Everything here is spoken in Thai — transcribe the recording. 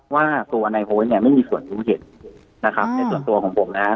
ว่าตัวนายโหยเนี่ยไม่มีส่วนรู้เห็นนะครับในส่วนตัวของผมนะครับ